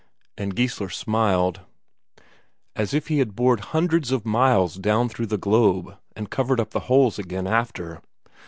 And Geissler smiled, as if he had bored hundreds of miles down through the globe, and covered up the holes again after.